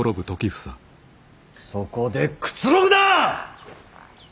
そこでくつろぐな！